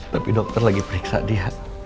tapi dokter lagi periksa dia